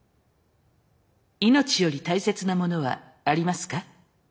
命より大切なものはありますか？